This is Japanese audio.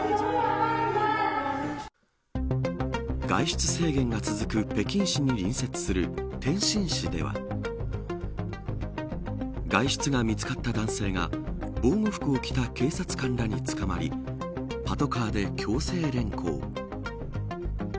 外出制限が続く北京市に隣接する天津市では外出が見つかった男性が防護服を着た警察官らに捕まりパトカーで強制連行。